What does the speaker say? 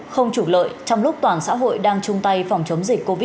không chủ lợi trong lúc toàn xã hội đang chung tay phòng chống dịch covid một mươi chín